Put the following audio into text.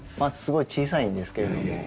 すごい小さいんですけれども。